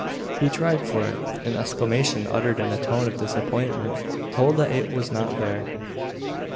He tried for it. An exclamation uttered in a tone of disappointment told that it was not there.